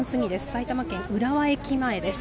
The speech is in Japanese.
埼玉県浦和駅前です。